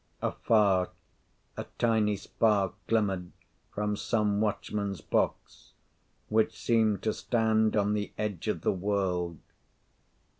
Afar, a tiny spark glimmered from some watchman's box, which seemed to stand on the edge of the world.